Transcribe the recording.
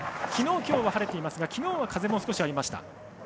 昨日、今日は晴れていますが昨日は風も少しありました。